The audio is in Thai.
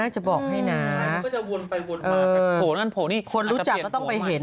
จะบอกให้นะก็จะวนไปวนมาโผล่นั่นโผล่นี่คนรู้จักก็ต้องไปเห็น